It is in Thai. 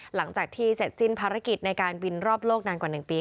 หลังจากที่เสร็จสิ้นภารกิจในการบินรอบโลกนานกว่า๑ปี